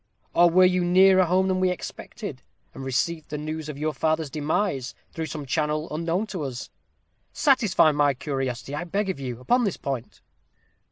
or were you nearer home than we expected, and received the news of your father's demise through some channel unknown to us? Satisfy my curiosity, I beg of you, upon this point."